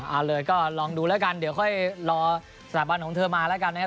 เอาเลยก็ลองดูแล้วกันเดี๋ยวค่อยรอสถาบันของเธอมาแล้วกันนะครับ